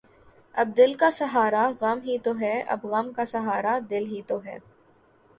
اب دل کا سہارا غم ہی تو ہے اب غم کا سہارا دل ہی تو ہے